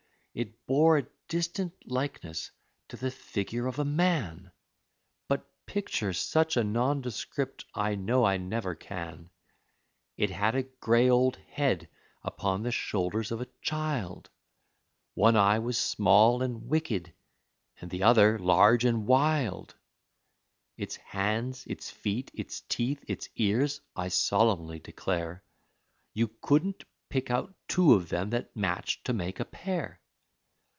It bore a distant likeness to the figure of a man, But picture such a nondescript I know I never can. It had a gray old head upon the shoulders of a child; One eye was small and wicked, and the other large and wild. Its hands, its feet, its teeth, its ears, I solemnly declare, You couldn't pick out two of them that matched to make a pair!